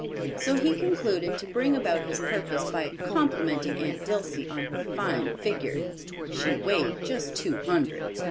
So he concluded to bring about his purpose by complimenting Aunt Dilsey on her fine figure (she weighed just two hundred!).